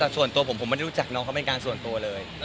ส่วนตัวผมผมไม่ได้รู้จักน้องเขาเป็นการส่วนตัวเลย